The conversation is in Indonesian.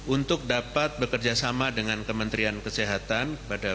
untuk dapat bekerjasama dengan kementerian kesehatan